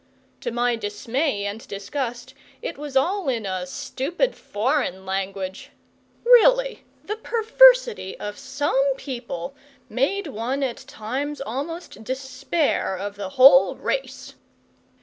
To my dismay and disgust it was all in a stupid foreign language! Really, the perversity of some people made one at times almost despair of the whole race.